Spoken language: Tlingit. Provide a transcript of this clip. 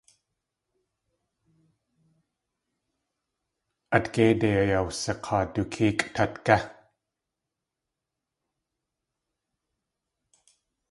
At géide ayawsik̲aa du kéekʼ tatgé.